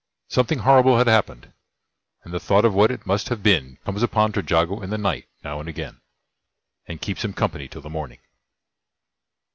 Something horrible had happened, and the thought of what it must have been comes upon Trejago in the night now and again, and keeps him company till the morning.